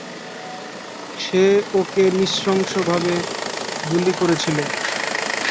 সে ওকে নৃশংসভাবে গুলি করেছিল।